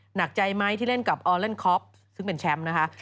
หนักใจไหมที่เล่นกับออเล่นคอปซึ่งเป็นแชมป์นะคะ